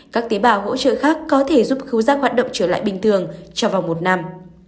các tế bào hỗ trợ khác có thể giúp phú giác hoạt động trở lại bình thường trong vòng một năm